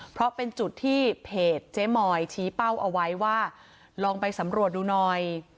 เพราะเป็นจุดที่เพจเจ๊มอยชี้เป้าเอาไว้ว่าลองไปสำรวจดูหน่อย